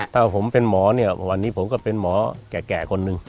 ถ้าผมเป็นหมอเนี่ยวันนี้ผมก็เป็นหมอแก่คนหนึ่ง